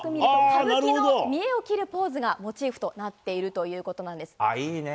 歌舞伎の見えを切るポーズがモチーフとなっているということいいね。